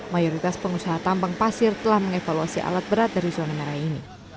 mayoritas pengusaha tambang pasir telah mengevaluasi alat berat dari zona merah ini